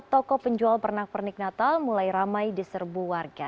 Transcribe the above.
toko penjual pernak pernik natal mulai ramai di serbu warga